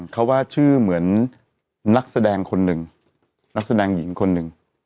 เขาว่าชื่อเหมือนนักแสดงคนหนึ่งนักแสดงหญิงคนหนึ่ง